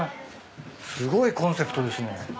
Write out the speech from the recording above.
すごいコンセプトですね。